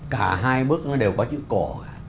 cả hai bước nó đều có chữ cổ